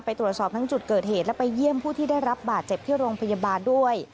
ตรวจสอบทั้งจุดเกิดเหตุและไปเยี่ยมผู้ที่ได้รับบาดเจ็บที่โรงพยาบาลด้วย